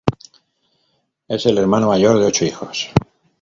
Es el hermano mayor de ocho hijos.